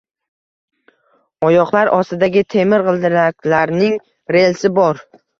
Oyoqlar ostidagi temir g’ildiraklarning relsi bor.